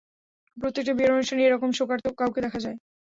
প্রত্যেকটা বিয়ের অনুষ্ঠানেই এরকম শোকার্ত কাউকে দেখা যায়!